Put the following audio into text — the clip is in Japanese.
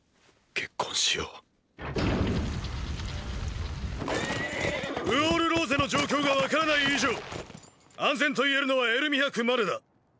結婚しよウォール・ローゼの状況がわからない以上安全と言えるのはエルミハ区までだ。